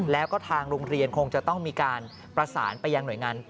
แล้วก็ทางโรงเรียนคงจะต้องมีการประสานไปยังหน่วยงาน